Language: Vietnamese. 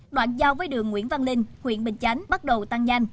đoạn giao với đường nguyễn văn linh huyện bình chánh bắt đầu tăng nhanh